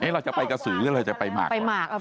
เราจะไปกระสือเราจะไปหมากก่อน